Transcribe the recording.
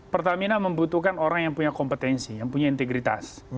pertamina membutuhkan orang yang punya kompetensi yang punya integritas